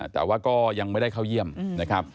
แต่ว่าก็ยังไม่ได้เข้าเยี่ยมนะครับ